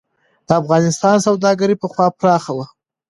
د افغانستان سوداګري پخوا پراخه وه.